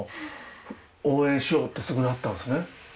応援しようってすぐなったんですね。